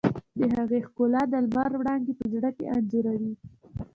د هغې ښکلا د لمر وړانګې په زړه کې انځوروي.